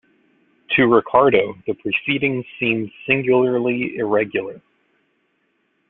To Ricardo the proceedings seemed singularly irregular.